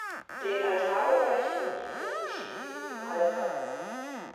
Den Altarbereich umgibt das Gestühl im Halbkreis.